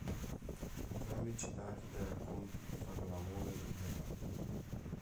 Entrambi eccitati dai racconti fanno l'amore in veranda.